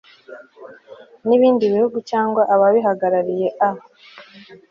b ibindi bihugu cyangwa ababihagarariye a